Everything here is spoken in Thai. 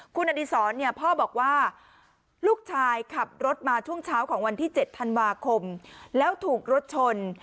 คุณอดีศรเนี่ยพ่อบอกว่าลูกชายขับรถมาช่วงเช้าของวันที่๗ธันวาคมแล้วถูกรถชน